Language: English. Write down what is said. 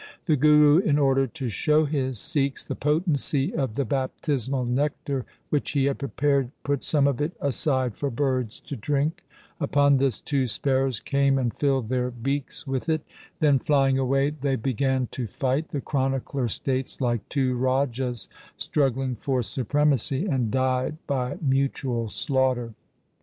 The Guru in order to show his Sikhs the potency of the baptismal nectar which he had prepared put some of it aside for birds to drink. Upon this two sparrows came and filled their beaks with it. Then flying away they began to fight, the chronicler states, like two rajas struggling for supremacy, and died by mutual slaughter.